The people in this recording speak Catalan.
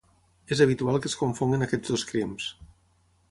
És habitual que es confonguin aquests dos cims.